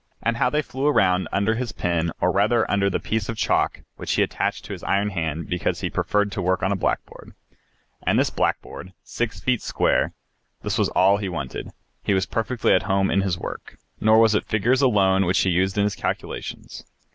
And how they flew around under his pen, or rather under the piece of chalk which he attached to his iron hand, because he preferred to work on a blackboard. And this blackboard, six feet square, this was all he wanted, he was perfectly at home in his work. Nor was it figures alone which he used in his calculations.